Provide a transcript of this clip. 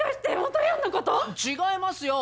違いますよ！